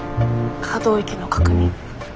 可動域の確認。